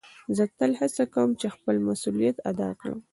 زه تل هڅه کؤم چي خپل مسؤلیت ادا کړم.